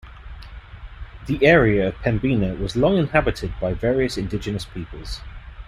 The area of Pembina was long inhabited by various indigenous peoples.